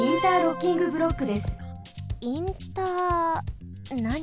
インターなに？